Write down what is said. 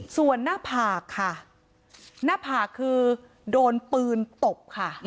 ส่วนหน้าผากค่ะหน้าผากคือโดนปืนตบค่ะ